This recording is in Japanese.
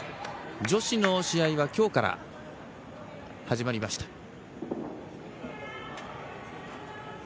女子の試合は今日から始まりました。